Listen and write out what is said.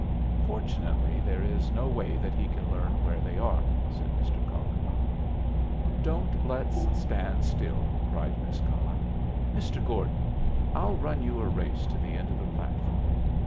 "Fortunately, there is no way that he can learn where they are," said Mr. Cullen. "Don't let's stand still," cried Miss Cullen. "Mr. Gordon, I'll run you a race to the end of the platform."